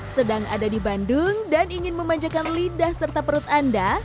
sedang ada di bandung dan ingin memanjakan lidah serta perut anda